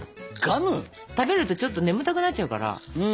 食べるとちょっと眠たくなっちゃうから。